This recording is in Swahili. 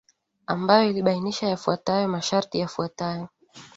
ambayo ilibainisha zifuatazo masharti yafuatayo